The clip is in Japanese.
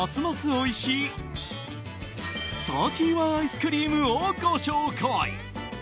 おいしいサーティワンアイスクリームをご紹介。